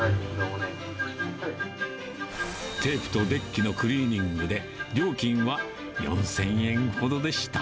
テープとデッキのクリーニングで、料金は４０００円ほどでした。